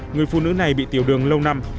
người phụ nữ này bị tiểu đường lâu năm